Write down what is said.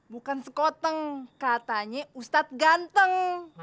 bukan sekoteng katanya ustadz ganteng